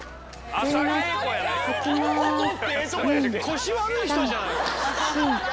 腰悪い人じゃない？